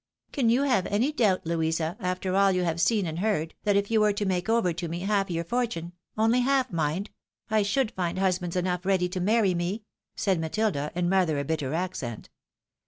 " Can you have any doubt, Louisa, after all you have seen and heard, that if you were to make over to me half your for tune — only half, mind — I should find husbands enough ready to marry me ?" said Matilda, in rather a bitter accent.